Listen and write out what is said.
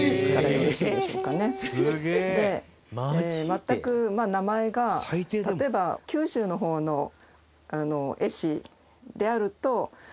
「全く名前が例えば九州の方の絵師であると」